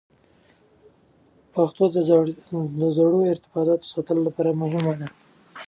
پښتو د زړو ارتباطاتو ساتلو لپاره مهمه ده.